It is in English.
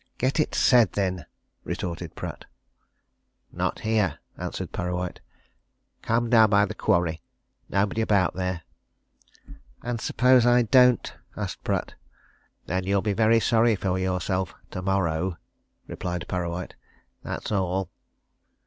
"Get it said, then!" retorted Pratt. "Not here," answered Parrawhite. "Come down by the quarry nobody about there." "And suppose I don't?" asked Pratt. "Then you'll be very sorry for yourself tomorrow," replied Parrawhite. "That's all!"